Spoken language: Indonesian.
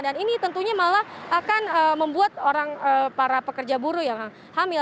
dan ini tentunya malah akan membuat orang para pekerja buruh yang hamil